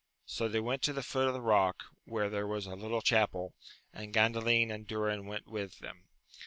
So they went to the foot of the rock, where there was a little chapel, and Gandalin and Dunn went with them.